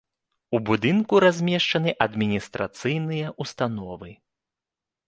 У будынку размешчаны адміністрацыйныя ўстановы.